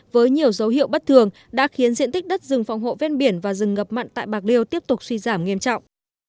với nhiều dấu hiệu bất thường đã khiến diện tích đất rừng phòng hộ ven biển và rừng ngập mặn tại bạc liêu tiếp tục suy giảm nghiêm trọng